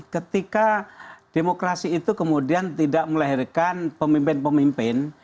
ketika demokrasi itu kemudian tidak melahirkan pemimpin pemimpin